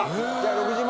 ６０万？